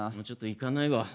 ちょっと行かないわ。